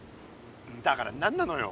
だから何なのよ。